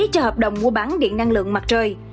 cho hợp đồng mua bán điện năng lượng mặt trời